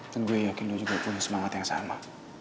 dan gue yakin lo juga punya semangat yang sama